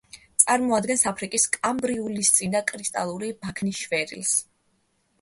წარმოადგენს აფრიკის კამბრიულისწინა კრისტალური ბაქნის შვერილს.